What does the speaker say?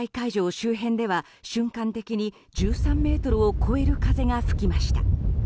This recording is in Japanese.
周辺では瞬間的に１３メートルを超える風が吹きました。